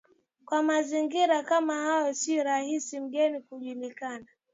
Kwa mazingira kama hayo sio rahisi mgeni kujulikana